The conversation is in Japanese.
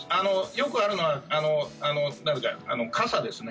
よくあるのは傘ですね。